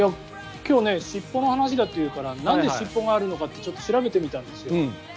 今日尻尾の話だというからなんで尻尾があるのかってちょっと調べてみたんですよ。